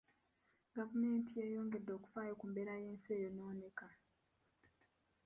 Gavumenti yeeyongedde okufaayo ku mbeera y'ensi eyonooneka.